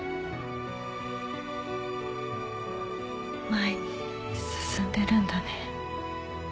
前に進んでるんだね。